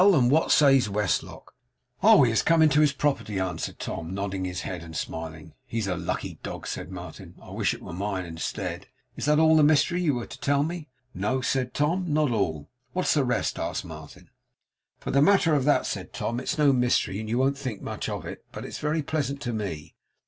and what says Westlock?' 'Oh! he has come into his property,' answered Tom, nodding his head, and smiling. 'He's a lucky dog,' said Martin. 'I wish it were mine instead. Is that all the mystery you were to tell me?' 'No,' said Tom; 'not all.' 'What's the rest?' asked Martin. 'For the matter of that,' said Tom, 'it's no mystery, and you won't think much of it; but it's very pleasant to me.